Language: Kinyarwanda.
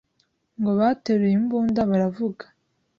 ngo bateruye imbunda baravuga